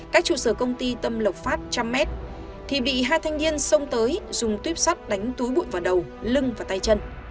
các chủ sở công ty tâm lộc pháp trăm mét thì bị hai thanh niên xông tới dùng tuyếp sắt đánh túi bụi vào đầu lưng và tay chân